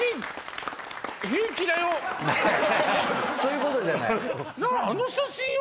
そういうことじゃない。